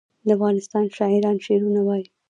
د افغانستان شاعران شعرونه وايي